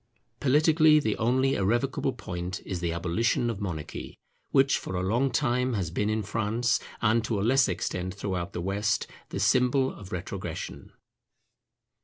Politically, the only irrevocable point is the abolition of monarchy, which for a long time has been in France and to a less extent throughout the West, the symbol of retrogression.